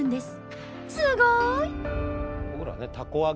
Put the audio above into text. すごい！